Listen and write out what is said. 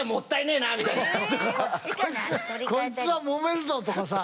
こいつはもめるぞとかさ。